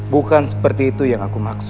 bukan seperti itu yang aku maksud